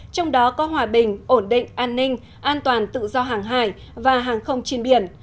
trong đó có hòa bình ổn định an ninh an toàn tự do hàng hải và hàng không trên biển